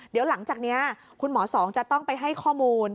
เดี๋ยวหลังจากนี้คุณหมอสองจะต้องไปให้ข้อมูล